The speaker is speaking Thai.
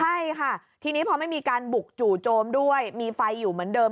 ใช่ค่ะทีนี้พอไม่มีการบุกจู่โจมด้วยมีไฟอยู่เหมือนเดิม